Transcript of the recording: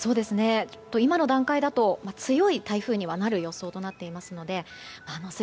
今の段階だと強い台風にはなる予想となっていますので明日